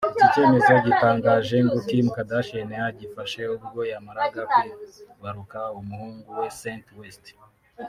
Iki cyemezo gitangaje ngo Kim Kardashian yagifashe ubwo yamaraga kwibaruka umuhungu we Saint West